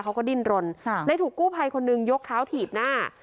เขาก็ดิ้นรนเลยถูกกู้ภัยคนหนึ่งยกเท้าถีบหน้า